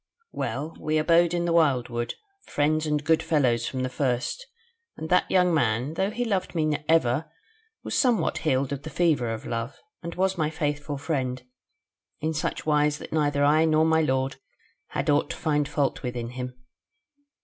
"Well, we abode in the wildwood, friends and good fellows from the first; and that young man, though he loved me ever, was somewhat healed of the fever of love, and was my faithful friend, in such wise that neither I nor my lord had aught to find fault with in him.